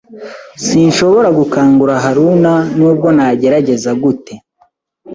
Sinshobora gukangura Haruna nubwo nagerageza gute.